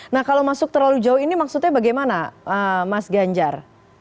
nah kalau masuk terlalu jauh ini maksudnya bagaimana mas ganjar